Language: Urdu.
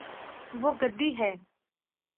وہ گدی ہے